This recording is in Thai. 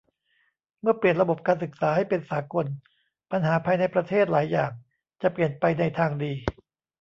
เมื่อเปลี่ยนระบบการศึกษาให้เป็นสากลปัญหาภายในประเทศหลายอย่างจะเปลี่ยนไปในทางดี